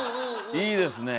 いいですねえ。